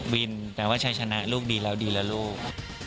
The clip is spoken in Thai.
แปลว่าใช้ชนะลูกดีแล้วดีแล้วลูก